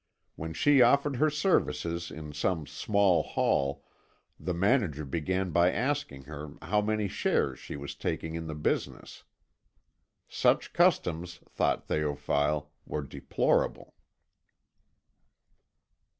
When she offered her services in some small hall the manager began by asking her how many shares she was taking in the business. Such customs, thought Théophile, were deplorable.